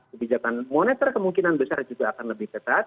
kebijakan moneter kemungkinan besar juga akan lebih ketat